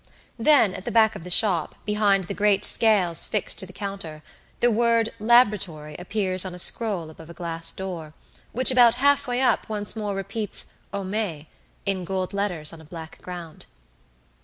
Then at the back of the shop, behind the great scales fixed to the counter, the word "Laboratory" appears on a scroll above a glass door, which about half way up once more repeats "Homais" in gold letters on a black ground.